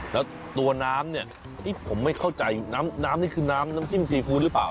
แล้วตัวน้ำเนี่ยที่ผมไม่เข้าใจน้ำนี่คือน้ำน้ำจิ้มซีฟู้ดหรือเปล่า